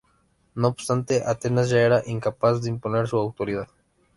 No obstante, Atenas ya era incapaz de imponer su autoridad.